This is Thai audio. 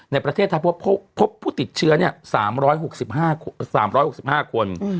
ในประเทศไทยพบผู้ติดเชื้อ๓๖๕คน